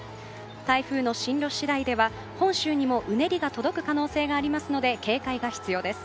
台風の進路次第では、本州にもうねりが届く可能性がありますので警戒が必要です。